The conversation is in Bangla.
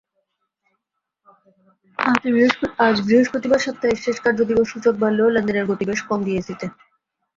আজ বৃহস্পতিবার সপ্তাহের শেষ কার্যদিবস সূচক বাড়লেও লেনদেনের গতি বেশ কম ডিএসইতে।